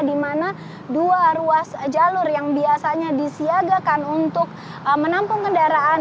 di mana dua ruas jalur yang biasanya disiagakan untuk menampung kendaraan